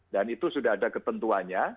dan itu sudah ada ketentuannya